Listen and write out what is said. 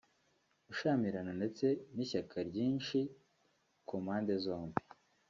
gushyamirana ndetse n’ishyaka ryinshi ku mpande zombi